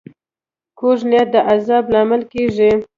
کوږ نیت د عذاب لامل کېږي